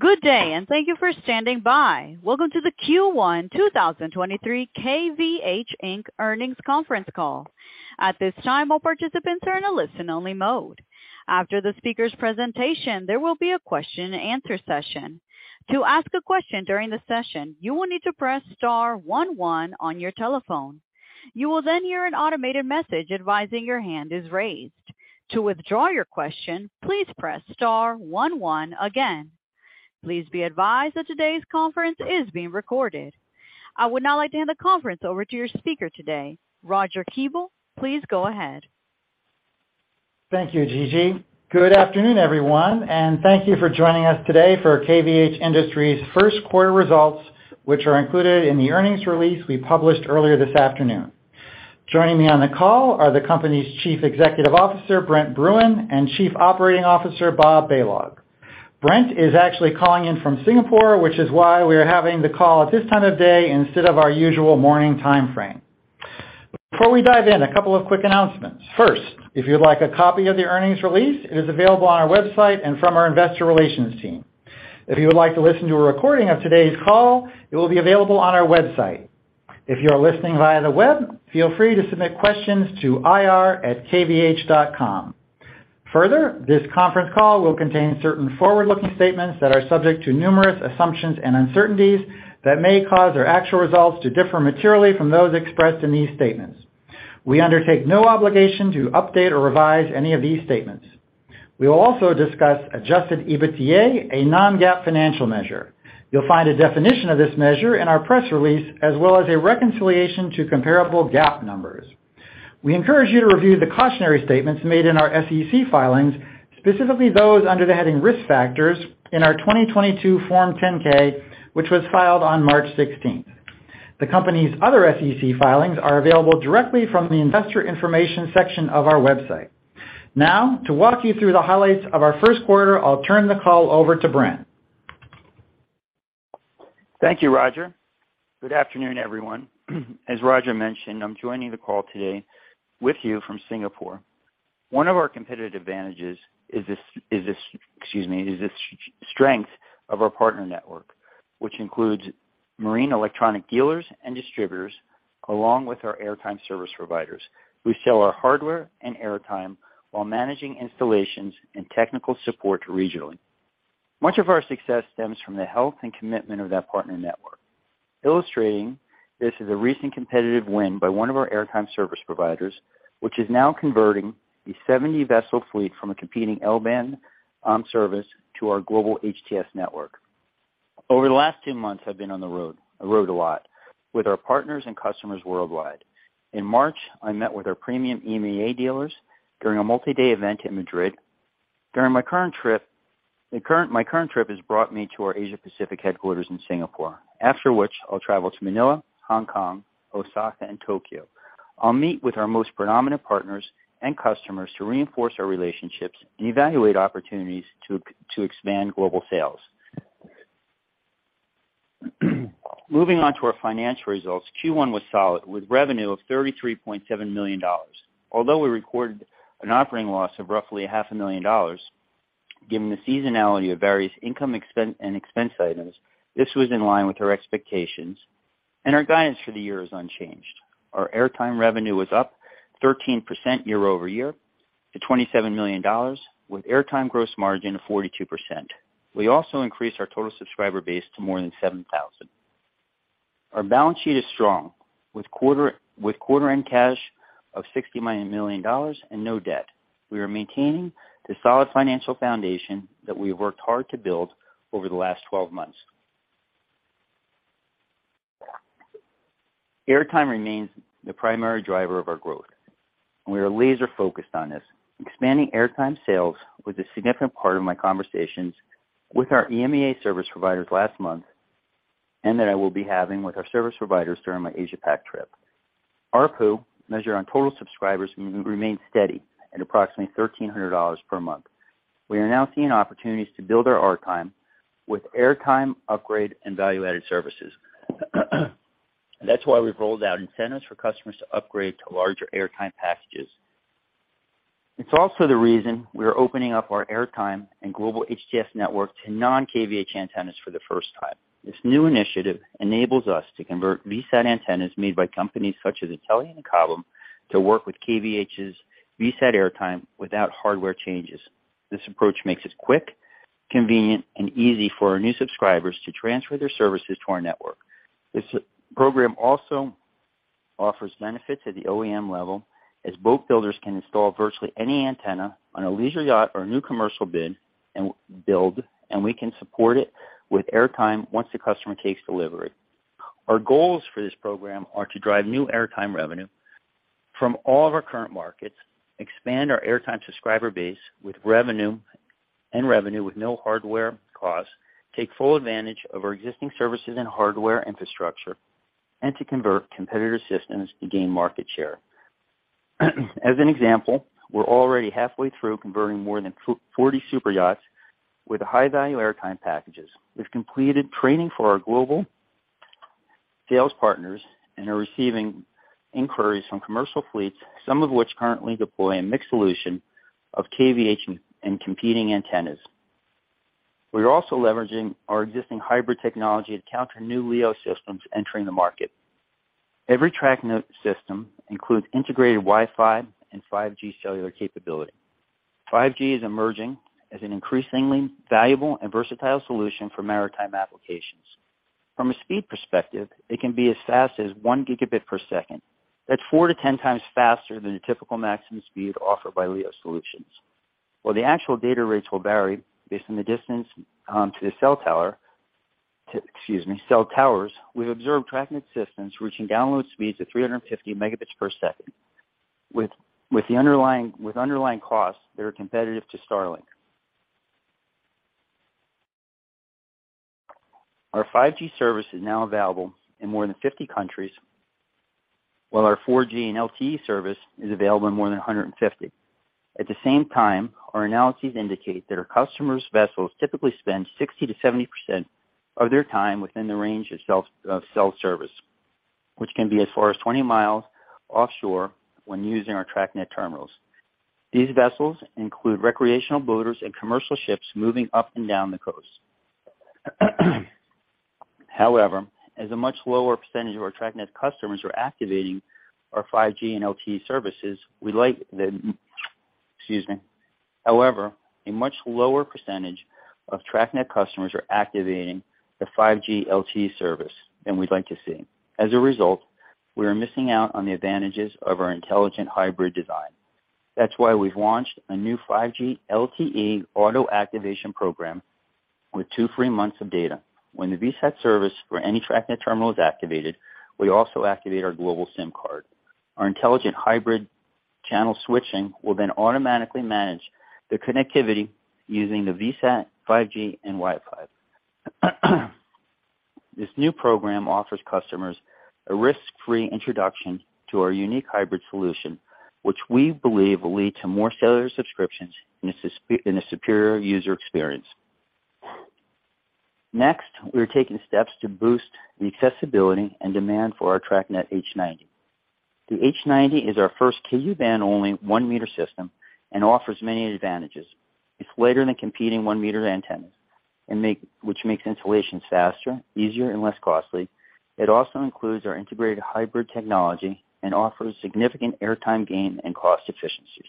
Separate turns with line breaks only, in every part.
Good day, and thank you for standing by. Welcome to the Q1 2023 KVH Inc. Earnings Conference Call. At this time, all participants are in a listen-only mode. After the speaker's presentation, there will be a question and answer session. To ask a question during the session, you will need to press star one one on your telephone. You will then hear an automated message advising your hand is raised. To withdraw your question, please press star one one again. Please be advised that today's conference is being recorded. I would now like to hand the conference over to your speaker today, Roger Kuebel. Please go ahead.
Thank you, Gigi. Good afternoon, everyone, thank you for joining us today for KVH Industries first quarter results, which are included in the earnings release we published earlier this afternoon. Joining me on the call are the company's Chief Executive Officer, Brent Bruun, and Chief Operating Officer, Bob Balog. Brent is actually calling in from Singapore, which is why we are having the call at this time of day instead of our usual morning time frame. Before we dive in, a couple of quick announcements. First, if you'd like a copy of the earnings release, it is available on our website and from our investor relations team. If you would like to listen to a recording of today's call, it will be available on our website. If you are listening via the Web, feel free to submit questions to ir@kvh.com. Further, this conference call will contain certain forward-looking statements that are subject to numerous assumptions and uncertainties that may cause our actual results to differ materially from those expressed in these statements. We undertake no obligation to update or revise any of these statements. We will also discuss adjusted EBITDA, a non-GAAP financial measure. You'll find a definition of this measure in our press release, as well as a reconciliation to comparable GAAP numbers. We encourage you to review the cautionary statements made in our SEC filings, specifically those under the heading Risk Factors in our 2022 Form 10-K, which was filed on March 16. The company's other SEC filings are available directly from the Investor Information section of our website. Now, to walk you through the highlights of our first quarter, I'll turn the call over to Brent.
Thank you, Roger. Good afternoon, everyone. As Roger mentioned, I'm joining the call today with you from Singapore. One of our competitive advantages is the strength of our partner network, which includes marine electronic dealers and distributors, along with our airtime service providers who sell our hardware and airtime while managing installations and technical support regionally. Much of our success stems from the health and commitment of that partner network. Illustrating this is a recent competitive win by one of our airtime service providers, which is now converting a 70-vessel fleet from a competing L-band service to our global HTS network. Over the last two months, I've been on the road, I rode a lot with our partners and customers worldwide. In March, I met with our premium EMEA dealers during a multi-day event in Madrid. My current trip has brought me to our Asia Pacific headquarters in Singapore. After which I'll travel to Manila, Hong Kong, Osaka, and Tokyo. I'll meet with our most predominant partners and customers to reinforce our relationships and evaluate opportunities to expand global sales. Moving on to our financial results. Q1 was solid, with revenue of $33.7 million. Although we recorded an operating loss of roughly half a million dollars, given the seasonality of various income and expense items, this was in line with our expectations, and our guidance for the year is unchanged. Our airtime revenue was up 13% year-over-year to $27 million, with airtime gross margin of 42%. We also increased our total subscriber base to more than 7,000. Our balance sheet is strong with quarter-end cash of $60 million and no debt. We are maintaining the solid financial foundation that we worked hard to build over the last 12 months. Airtime remains the primary driver of our growth. We are laser-focused on this. Expanding airtime sales was a significant part of my conversations with our EMEA service providers last month, and that I will be having with our service providers during my Asia Pac trip. ARPU, measured on total subscribers, remains steady at approximately $1,300 per month. We are now seeing opportunities to build our airtime with airtime upgrade and value-added services. That's why we've rolled out incentives for customers to upgrade to larger airtime packages. It's also the reason we are opening up our airtime and global HTS network to non-KVH antennas for the first time. This new initiative enables us to convert VSAT antennas made by companies such as Intellian and Cobham to work with KVH's VSAT airtime without hardware changes. This approach makes it quick, convenient, and easy for our new subscribers to transfer their services to our network. This program also offers benefits at the OEM level, as boat builders can install virtually any antenna on a leisure yacht or a new commercial build, and we can support it with airtime once the customer takes delivery. Our goals for this program are to drive new airtime revenue from all of our current markets, expand our airtime subscriber base and revenue with no hardware costs, take full advantage of our existing services and hardware infrastructure, and to convert competitor systems to gain market share. As an example, we're already halfway through converting more than 40 super yachts with high-value airtime packages. We've completed training for our global sales partners and are receiving inquiries from commercial fleets, some of which currently deploy a mixed solution of KVH and competing antennas. We are also leveraging our existing hybrid technology to counter new LEO systems entering the market. Every TracNet system includes integrated Wi-Fi and 5G cellular capability. 5G is emerging as an increasingly valuable and versatile solution for maritime applications. From a speed perspective, it can be as fast as 1 Gbps. That's 4-10 times faster than the typical maximum speed offered by LEO solutions. While the actual data rates will vary based on the distance to the cell towers, we've observed TracNet systems reaching download speeds of 350 Mbps. With the underlying, with underlying costs that are competitive to Starlink. Our 5G service is now available in more than 50 countries, while our 4G and LTE service is available in more than 150. At the same time, our analyses indicate that our customers' vessels typically spend 60%-70% of their time within the range of cell service, which can be as far as 20 miles offshore when using our TracNet terminals. These vessels include recreational boaters and commercial ships moving up and down the coast. However, a much lower percentage of TracNet customers are activating the 5G LTE service than we'd like to see. As a result, we are missing out on the advantages of our intelligent hybrid design. That's why we've launched a new 5G LTE auto-activation program with two free months of data. When the VSAT service for any TracNet terminal is activated, we also activate our global SIM card. Our intelligent hybrid channel switching will then automatically manage the connectivity using the VSAT, 5G and Wi-Fi. This new program offers customers a risk-free introduction to our unique hybrid solution, which we believe will lead to more cellular subscriptions and a superior user experience. We are taking steps to boost the accessibility and demand for our TracNet H90. The H90 is our first Ku-band only one-meter system and offers many advantages. It's lighter than competing one-meter antennas which makes installation faster, easier, and less costly. It also includes our integrated hybrid technology and offers significant airtime gain and cost efficiencies.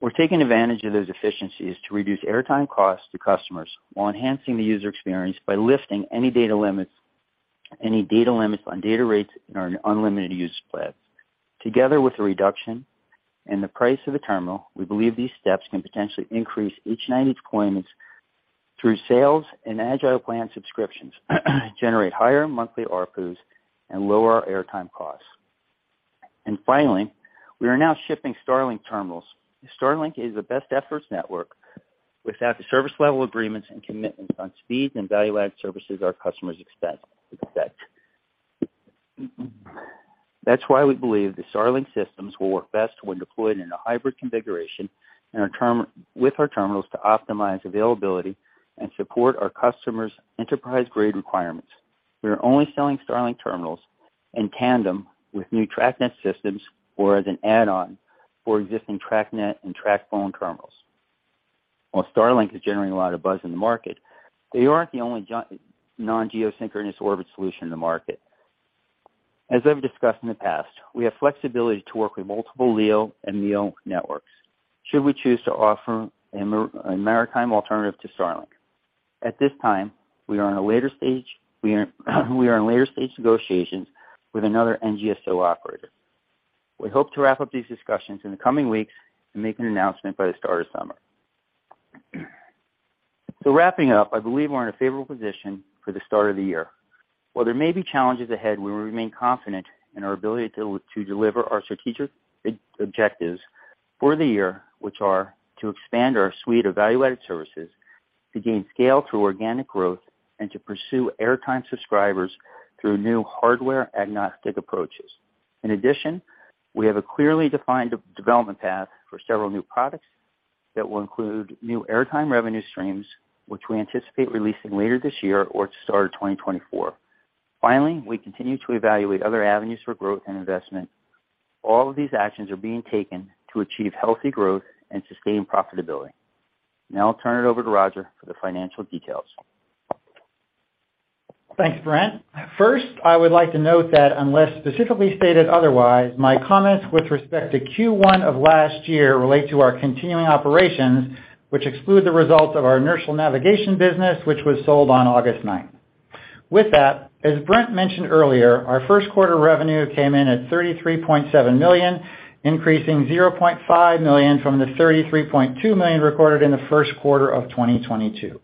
We're taking advantage of those efficiencies to reduce airtime costs to customers while enhancing the user experience by lifting any data limits on data rates in our unlimited use plans. Together with the reduction in the price of the terminal, we believe these steps can potentially increase H90 deployments through sales and AgilePlans subscriptions, generate higher monthly ARPU and lower our airtime costs. Finally, we are now shipping Starlink terminals. Starlink is the best efforts network without the service level agreements and commitments on speed and value-added services our customers expect. That's why we believe the Starlink systems will work best when deployed in a hybrid configuration and with our terminals to optimize availability and support our customers' enterprise-grade requirements. We are only selling Starlink terminals in tandem with new TracNet systems or as an add-on for existing TracNet and TracPhone terminals. While Starlink is generating a lot of buzz in the market, they aren't the only non-geosynchronous orbit solution in the market. As I've discussed in the past, we have flexibility to work with multiple LEO and MEO networks, should we choose to offer a maritime alternative to Starlink. At this time, we are in later stage negotiations with another NGSO operator. We hope to wrap up these discussions in the coming weeks and make an announcement by the start of summer. Wrapping up, I believe we're in a favorable position for the start of the year. While there may be challenges ahead, we remain confident in our ability to deliver our strategic objectives for the year, which are to expand our suite of value-added services, to gain scale through organic growth, and to pursue airtime subscribers through new hardware-agnostic approaches. In addition, we have a clearly defined development path for several new products that will include new airtime revenue streams, which we anticipate releasing later this year or at the start of 2024. Finally, we continue to evaluate other avenues for growth and investment. All of these actions are being taken to achieve healthy growth and sustain profitability. Now I'll turn it over to Roger for the financial details.
Thanks, Brent. First, I would like to note that unless specifically stated otherwise, my comments with respect to Q1 of last year relate to our continuing operations, which exclude the results of our inertial navigation business, which was sold on August ninth. With that, as Brent mentioned earlier, our first quarter revenue came in at $33.7 million, increasing $0.5 million from the $33.2 million recorded in the first quarter of 2022.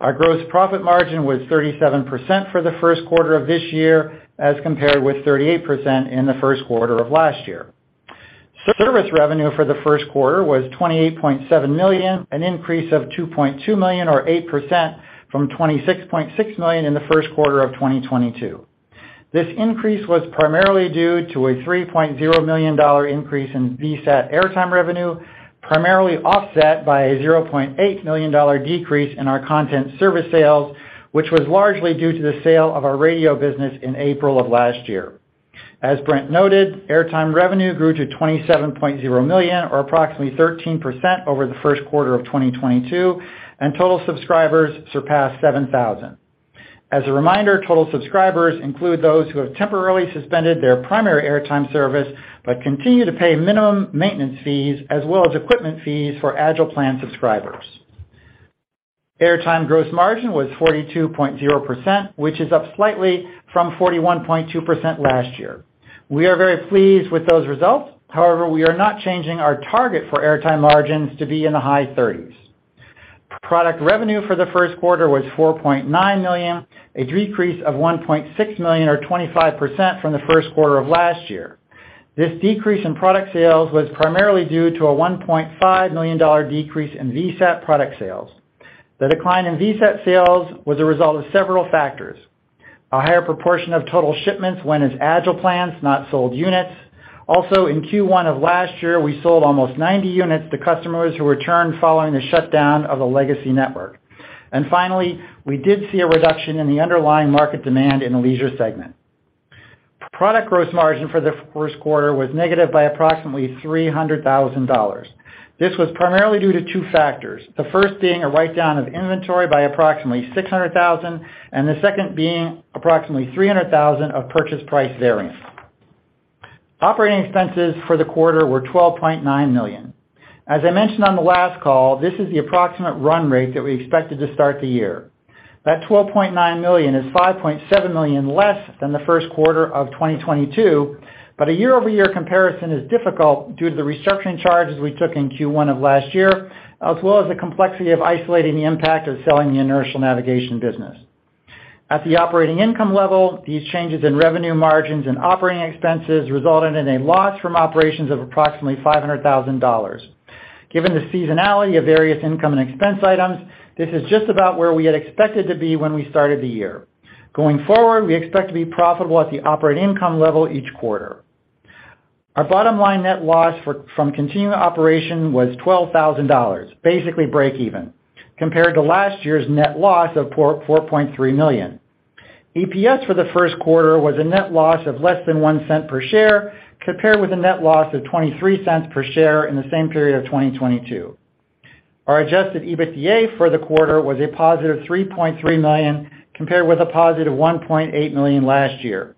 Our gross profit margin was 37% for the first quarter of this year, as compared with 38% in the first quarter of last year. Service revenue for the first quarter was $28.7 million, an increase of $2.2 million or 8% from $26.6 million in the first quarter of 2022. This increase was primarily due to a $3.0 million increase in VSAT airtime revenue, primarily offset by a $0.8 million decrease in our content service sales, which was largely due to the sale of our radio business in April of last year. As Brent noted, airtime revenue grew to $27.0 million, or approximately 13% over the first quarter of 2022, and total subscribers surpassed 7,000. As a reminder, total subscribers include those who have temporarily suspended their primary airtime service but continue to pay minimum maintenance fees as well as equipment fees for Agile Plan subscribers. Airtime gross margin was 42.0%, which is up slightly from 41.2% last year. We are very pleased with those results. We are not changing our target for airtime margins to be in the high 30s. Product revenue for the first quarter was $4.9 million, a decrease of $1.6 million or 25% from the first quarter of last year. This decrease in product sales was primarily due to a $1.5 million decrease in VSAT product sales. The decline in VSAT sales was a result of several factors. A higher proportion of total shipments went as AgilePlans, not sold units. In Q1 of last year, we sold almost 90 units to customers who returned following the shutdown of a legacy network. Finally, we did see a reduction in the underlying market demand in the leisure segment. Product gross margin for the first quarter was negative by approximately $300,000. This was primarily due to two factors. The first being a write-down of inventory by approximately $600,000, and the second being approximately $300,000 of purchase price variance. Operating expenses for the quarter were $12.9 million. As I mentioned on the last call, this is the approximate run rate that we expected to start the year. That $12.9 million is $5.7 million less than the first quarter of 2022. A year-over-year comparison is difficult due to the restructuring charges we took in Q1 of last year, as well as the complexity of isolating the impact of selling the inertial navigation business. At the operating income level, these changes in revenue margins and operating expenses resulted in a loss from operations of approximately $500,000. Given the seasonality of various income and expense items, this is just about where we had expected to be when we started the year. Going forward, we expect to be profitable at the operating income level each quarter. Our bottom line net loss from continuing operation was $12,000, basically break even, compared to last year's net loss of $4.3 million. EPS for the first quarter was a net loss of less than $0.01 per share, compared with a net loss of $0.23 per share in the same period of 2022. Our adjusted EBITDA for the quarter was a positive $3.3 million, compared with a positive $1.8 million last year.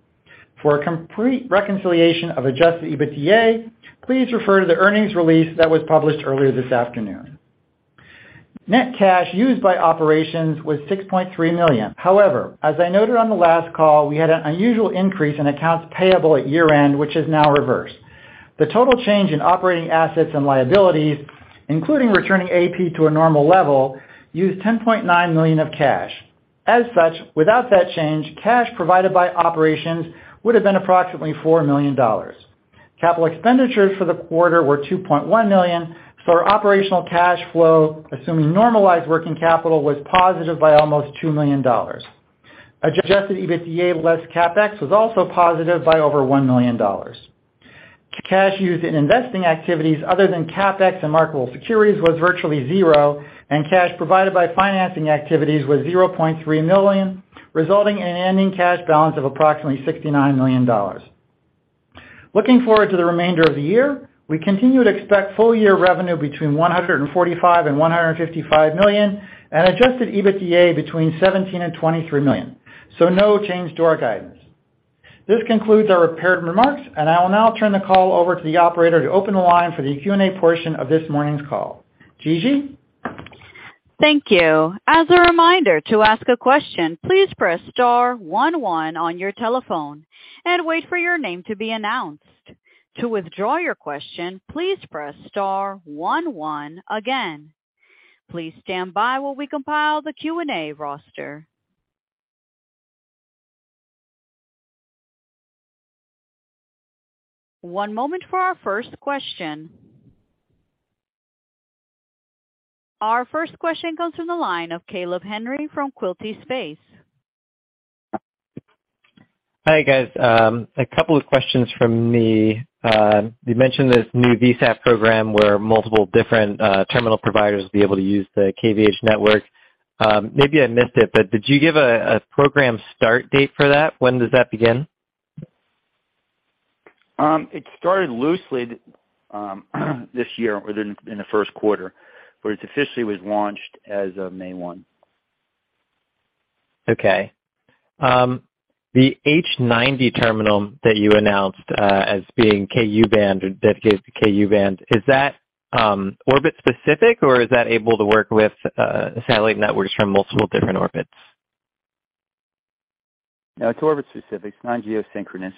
For a complete reconciliation of adjusted EBITDA, please refer to the earnings release that was published earlier this afternoon. Net cash used by operations was $6.3 million. As I noted on the last call, we had an unusual increase in accounts payable at year-end, which is now reversed. The total change in operating assets and liabilities, including returning AP to a normal level, used $10.9 million of cash. Without that change, cash provided by operations would have been approximately $4 million. Capital expenditures for the quarter were $2.1 million, our operational cash flow, assuming normalized working capital, was positive by almost $2 million. Adjusted EBITDA less CapEx was also positive by over $1 million. Cash used in investing activities other than CapEx and marketable securities was virtually zero, cash provided by financing activities was $0.3 million, resulting in ending cash balance of approximately $69 million. Looking forward to the remainder of the year, we continue to expect full year revenue between $145 million and $155 million and adjusted EBITDA between $17 million and $23 million. No change to our guidance. This concludes our prepared remarks. I will now turn the call over to the operator to open the line for the Q&A portion of this morning's call. Gigi?
Thank you. As a reminder to ask a question, please press star one one on your telephone and wait for your name to be announced. To withdraw your question, please press star one one again. Please stand by while we compile the Q&A roster. One moment for our first question. Our first question comes from the line of Caleb Henry from Quilty Space.
Hi, guys. A couple of questions from me. You mentioned this new VSAT program where multiple different terminal providers will be able to use the KVH network. Maybe I missed it, but did you give a program start date for that? When does that begin?
It started loosely, this year or in the first quarter, but it officially was launched as of May 1.
Okay. The H90 terminal that you announced, as being Ku-band or dedicated to Ku-band, is that orbit specific or is that able to work with satellite networks from multiple different orbits?
No, it's orbit specific. It's not geosynchronous.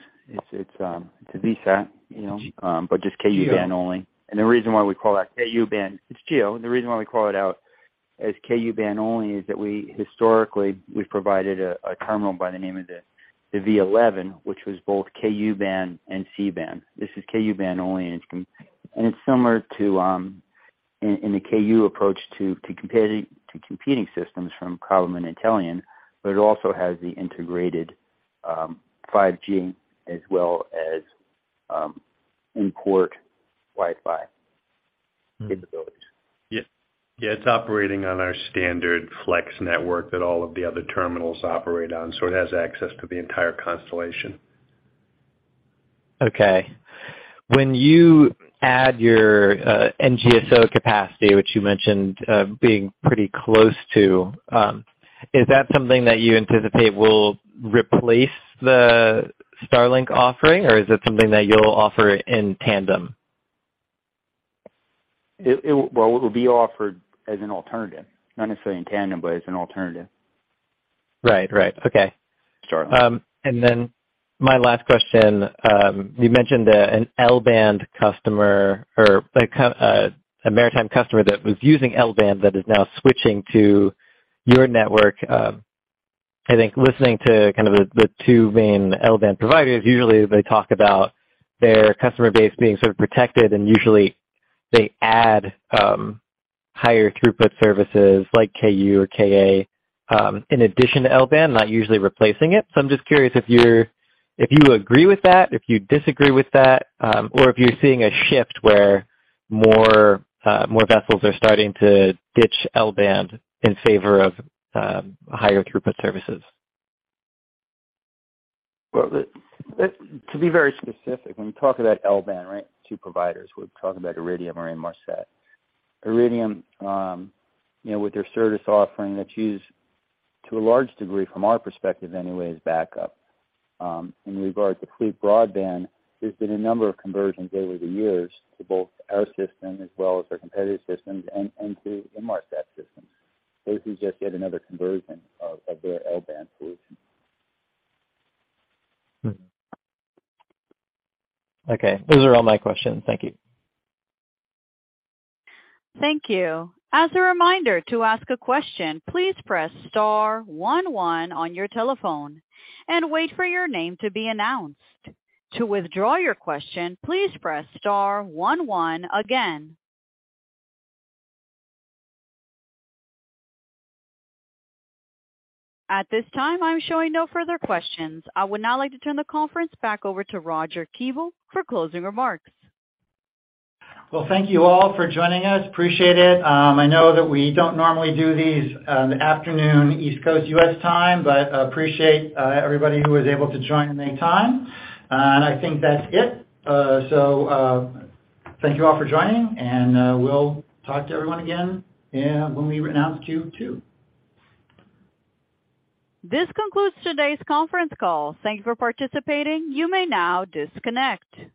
It's a VSAT, you know, but just Ku-band only. The reason why we call that Ku-band, it's geo. The reason why we call it out as Ku-band only is that we've provided a terminal by the name of the V11, which was both Ku-band and C-band. This is Ku-band only, it's similar to.
In the KU approach to competing systems from Furuno and Intellian, but it also has the integrated 5G as well as in port Wi-Fi capabilities.
Yeah. Yeah. It's operating on our standard flex network that all of the other terminals operate on, so it has access to the entire constellation.
Okay. When you add your NGSO capacity, which you mentioned being pretty close to, is that something that you anticipate will replace the Starlink offering, or is it something that you'll offer in tandem?
Well, it will be offered as an alternative. Not necessarily in tandem, but as an alternative.
Right. Right. Okay.
Starlink.
My last question, you mentioned an L-band customer or a maritime customer that was using L-band that is now switching to your network. I think listening to kind of the two main L-band providers, usually they talk about their customer base being sort of protected, and usually they add higher throughput services like Ku-band or KA, in addition to L-band, not usually replacing it. I'm just curious if you agree with that, if you disagree with that, or if you're seeing a shift where more vessels are starting to ditch L-band in favor of higher throughput services?
Well, to be very specific, when we talk about L-band, right, two providers, we're talking about Iridium or Inmarsat. Iridium with their service offering that's used to a large degree from our perspective anyway, as backup. In regard to FleetBroadband, there's been a number of conversions over the years to both our system as well as their competitive systems and to Inmarsat systems. This is just yet another conversion of their L-band solution.
Okay, those are all my questions. Thank you.
Thank you. As a reminder, to ask a question, please press star one one on your telephone and wait for your name to be announced. To withdraw your question, please press star one one again. At this time, I'm showing no further questions. I would now like to turn the conference back over to Roger Kuebel for closing remarks.
Well, thank you all for joining us. Appreciate it. I know that we don't normally do these in the afternoon, East Coast U.S. time, but appreciate everybody who was able to join and make time. I think that's it. Thank you all for joining, and we'll talk to everyone again, yeah, when we announce Q2.
This concludes today's conference call. Thank you for participating. You may now disconnect.